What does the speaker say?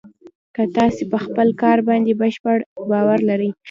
که تاسې په خپل کار باندې بشپړ باور لرئ